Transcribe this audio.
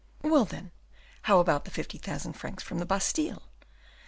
"Well, then, how about the fifty thousand francs from the Bastile?